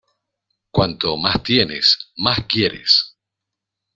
Cuanto más tienes más quieres.